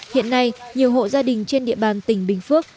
hiện nay nhiều hộ gia đình trên địa bàn tỉnh bình phước